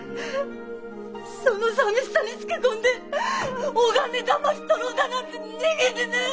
そのさみしさにつけ込んでお金だまし取ろうだなんて人間でねえ！